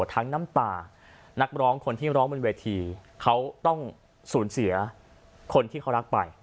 น้ำตานักร้องคนที่ร้องบนเวทีเขาต้องสูญเสียคนที่เขารักไป